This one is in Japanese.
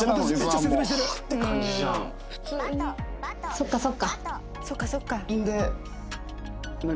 「そっかそっか」。